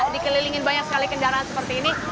dikelilingi banyak sekali kendaraan seperti ini